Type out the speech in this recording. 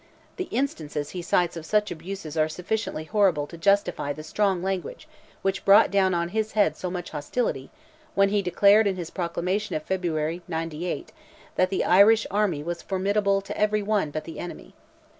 The instances he cites of such abuses are sufficiently horrible to justify the strong language which brought down on his head so much hostility, when he declared in his proclamation of February '98, that the Irish army was "formidable to every one but the enemy."